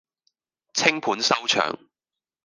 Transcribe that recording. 淸盤收場